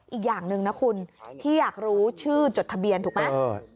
อีกอย่างหนึ่งนะคุณที่อยากรู้ชื่อจดทะเบียนถูกไหม